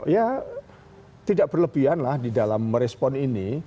ya tidak berlebihan lah di dalam merespon ini